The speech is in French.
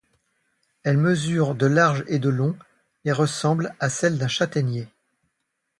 Elles mesurent de large et de long et ressemblent à celles d'un châtaignier.